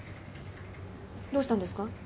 どうしたんですか？